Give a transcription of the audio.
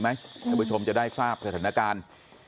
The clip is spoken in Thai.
ท่านผู้ชมจะได้ทราบสถานการณ์